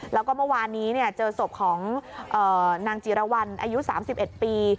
แล้วก็เมื่อวานนี้เจอศพของนางจิรวรรณอายุ๓๑ปี